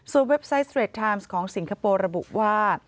เว็บไซต์สเตรดไทม์ของสิงคโปร์ระบุว่า